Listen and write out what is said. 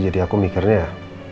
jadi aku mikirnya